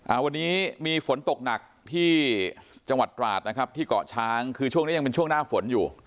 อ่าวันนี้มีฝนตกหนักที่จังหวัดตราดนะครับที่เกาะช้างคือช่วงนี้ยังเป็นช่วงหน้าฝนอยู่